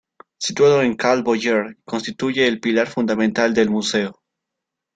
Situado en "Cal Boyer", constituye el pilar fundamental del museo.